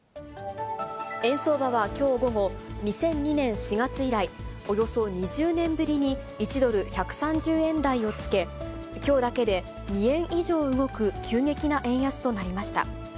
円相場はきょう午後、２００２年４月以来、およそ２０年ぶりに１ドル１３０円台をつけ、きょうだけで２円以上動く、急激な円安となりました。